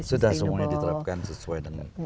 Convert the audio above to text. sudah semuanya diterapkan sesuai dengan